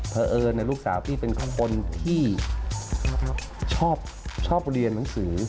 เพราะเอิญลูกสาวพี่เป็นคนที่ชอบเรียนหนังสือ